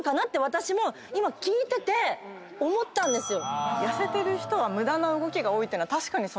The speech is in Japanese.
今聞いてて思ったんですよ。